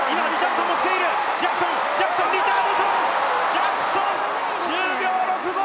ジャクソン１０秒６５。